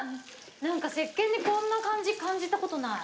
何かせっけんでこんな感じ感じたことない。